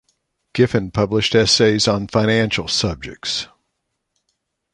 Giffen published essays on financial subjects.